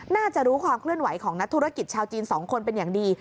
น่าจะรู้ความเคลื่อนไหวของนักธุรกิจชาวจีน๒คนเป็นอย่างดี